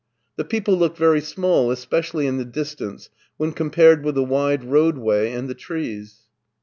The people looked very small, especially in the distance, when compared with the wide roadway and the trees.